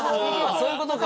そういうことか。